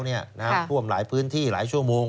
น้ำท่วมหลายพื้นที่หลายชั่วโมง